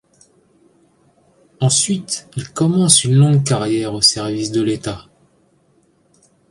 Ensuite, il commence une longue carrière au service de l'État.